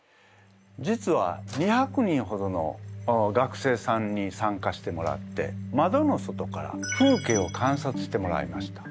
実は２００人ほどの学生さんに参加してもらってまどの外から風景を観察してもらいました。